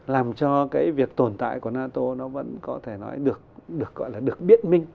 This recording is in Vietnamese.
làm cho cái việc tồn tại của nato nó vẫn có thể nói được gọi là được biết minh